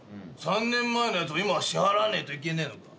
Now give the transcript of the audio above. ３年前のやつも今支払わねえといけねえのか？